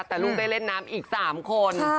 แต่ลูกได้เล่นน้ำอีก๓คน